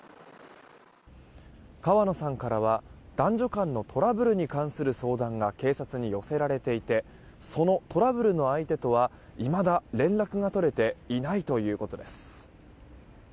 川野さんからは男女間のトラブルに関する相談が警察に寄せられていてそのトラブルの相手とはいまだ連絡が取れていないということです。